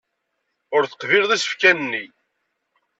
Ur teqbileḍ isefka-nni.